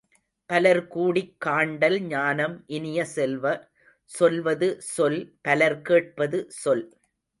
பலர் கூடிக் காண்டல் ஞானம் இனிய செல்வ, சொல்வது சொல் பலர் கேட்பது சொல்.